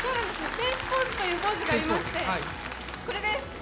天使ポーズというポーズがありまして、これです。